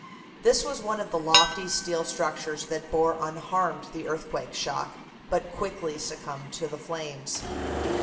This was one of the lofty steel structures that bore unharmed the earthquake shock, but quickly succumbed to the flames.